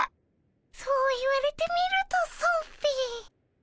そう言われてみるとそうっピ。